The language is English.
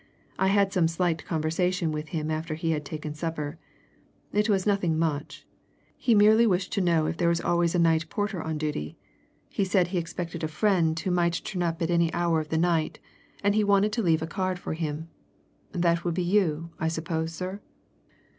I had some slight conversation with him after he had taken supper. It was nothing much he merely wished to know if there was always a night porter on duty. He said he expected a friend, who might turn up at any hour of the night, and he wanted to leave a card for him. That would be you, I suppose, sir?"